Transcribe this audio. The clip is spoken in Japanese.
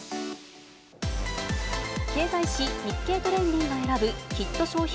経済誌、日経トレンディが選ぶ、ヒット商品